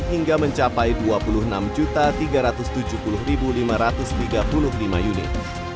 hingga mencapai dua puluh enam tiga ratus tujuh puluh lima ratus tiga puluh lima unit